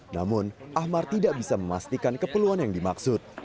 namun ahmar tidak bisa memastikan keperluan yang dimaksud